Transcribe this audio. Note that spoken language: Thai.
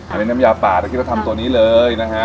อันนี้น้ำยาป่าถ้าคิดว่าทำตัวนี้เลยนะฮะ